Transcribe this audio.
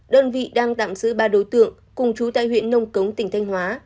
đơn vị đang tạm giữ ba đối tượng cùng chú tại huyện nông cống tỉnh thanh hóa